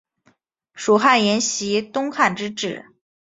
蜀汉沿袭东汉之制。